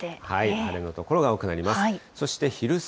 晴れの所が多くなります。